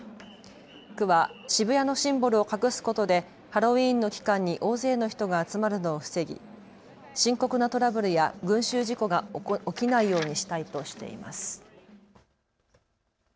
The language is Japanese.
区は渋谷のシンボルを隠すことでハロウィーンの期間に大勢の人が集まるのを防ぎ深刻なトラブルや群集事故が起きないようにしたいとしています。